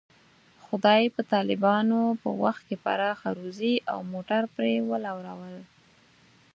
خدای په طالبانو په وخت کې پراخه روزي او موټر پرې ولورول.